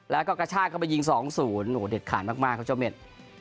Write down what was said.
แล้วก็กระชากเข้าไปยิง๒๐โอ้โหเด็ดขาดมากครับเจ้าเม็ด